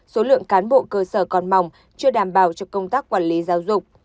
số lượng cán bộ cơ sở còn mỏng chưa đảm bảo cho công tác quản lý giáo dục